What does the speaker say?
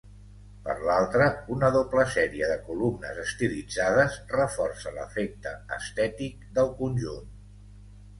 Per l'altre, una doble sèrie de columnes estilitzades reforça l'efecte estètic del conjunt.